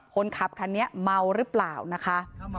คนขับคันนี้เมาหรือเปล่านะคะ